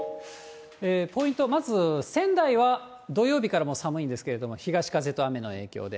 ポイント、まず仙台は土曜日からもう寒いんですけど、東風と雨の影響で。